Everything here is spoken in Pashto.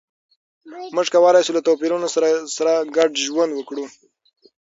موږ کولای شو له توپیرونو سره سره ګډ ژوند وکړو.